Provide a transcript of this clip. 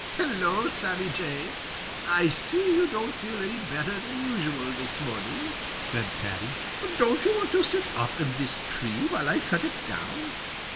"Hello, Sammy Jay! I see you don't feel any better than usual this morning," said Paddy. "Don't you want to sit up in this tree while I cut it down?"